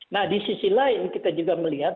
nah di sisi lain kita juga melihat